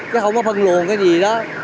chứ không có phân luồn cái gì đó